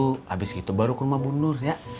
habis gitu baru ke rumah bu nur ya